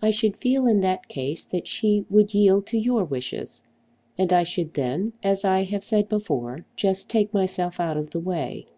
I should feel in that case that she would yield to your wishes, and I should then, as I have said before, just take myself out of the way.